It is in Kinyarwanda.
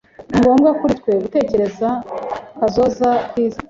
Ni ngombwa kuri twe gutekereza kazoza k'isi.